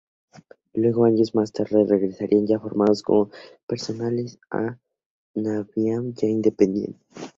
Luego, años más tarde, regresarían ya formados como profesionales, a una Namibia ya independiente.